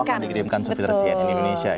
oh akan dikirimkan souvenir cnn indonesia ya